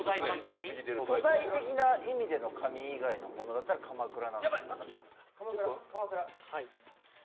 素材的な意味での紙以外のものだったらかまくら？